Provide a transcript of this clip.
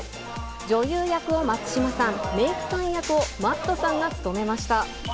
女優役を松嶋さん、メークさん役をＭａｔｔさんが務めました。